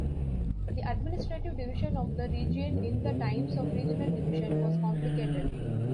The administrative division of the region in the times of regional division was complicated.